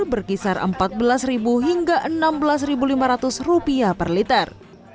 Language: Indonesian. berkisar empat belas hingga enam belas lima ratus rupiah per liter